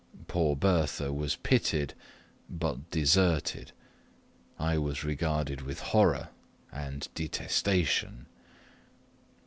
Poor Bertha was pitied, but deserted. I was regarded with horror and detestation.